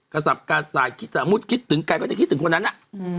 สับกระสายคิดสมมุติคิดถึงใครก็จะคิดถึงคนนั้นอ่ะอืม